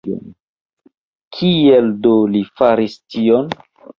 Kiel do li faris tion?